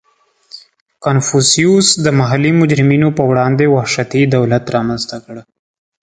• کنفوسیوس د محلي مجرمینو په وړاندې وحشتي دولت رامنځته کړ.